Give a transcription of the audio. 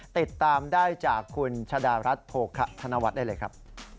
ติดตามได้จากคุณชะดารัฐโภคะธนวัฒน์ได้เลยครับ